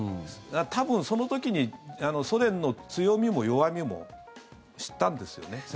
多分、その時にソ連の強みも弱みも知ったんですよね。